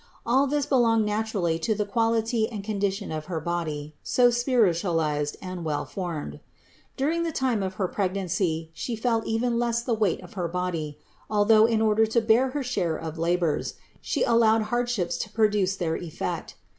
All this belonged naturally to the quality and condition of her body, so spiritualized and well formed. During the time of her pregnancy She felt even less the weight of her body; although, in order to bear her share of labors, She al lowed hardships to produce their effect.